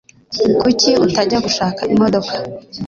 kuki utajya gushaka imodoka